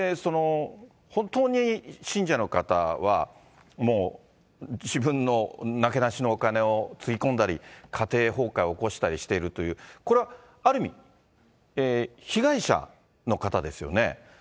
本当に信者の方は、もう自分のなけなしのお金をつぎ込んだり、家庭崩壊を起こしたりしているという、これはある意味、被害者の方ですよね。